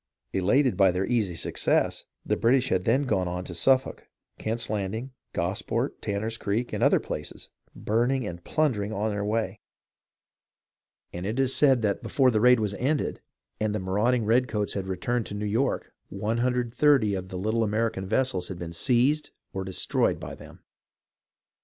Elated by their easy success, the British had then gone on to Suffolk, Kent's Landing, Gosport, Tanner's Creek, and other places, burning and plundering on their way, and it is said that before the raid THE STRUGGLE IN THE SOUTH 325 was ended and the marauding redcoats had returned to New York, 130 of the httle American vessels had been seized or destroyed by them.